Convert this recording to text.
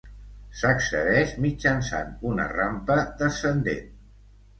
S'accedeix mitjançant una rampa descendent.